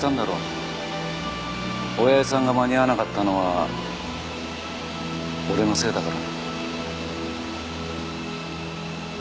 親父さんが間に合わなかったのは俺のせいだから。